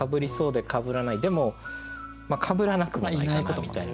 でもかぶらなくはないかなみたいな。